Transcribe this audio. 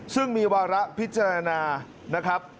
ซึ่งมีวาระพิจารณานะครับ